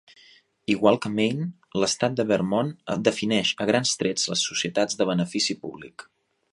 Igual que Maine, l'estat de Vermont defineix a grans trets les societats de benefici públic.